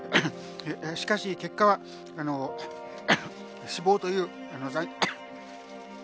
しかし、結果は死亡という。